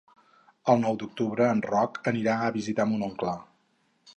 El nou d'octubre en Roc anirà a visitar mon oncle.